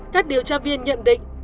các điều tra viên nhận định